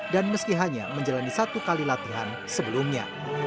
meski hanya menjalani satu kali latihan sebelumnya